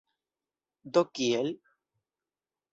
Do kiel?